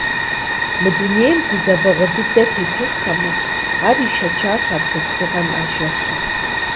Мы дунейм гузэвэгъуэ дыдэ тетыххэмэ, ар ишэчащ а бзылъхугъэм а жэщым.